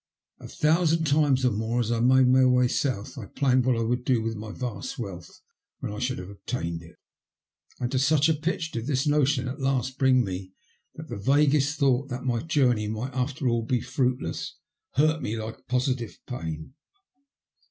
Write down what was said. A thousand times or more, as I made my way south, I planned what I would do with my vast wealth when I should have obtained it, and to such a pitch did this notion at last bring me that the vaguest thought that my journey might after all be fruitless hurt me like positive pain.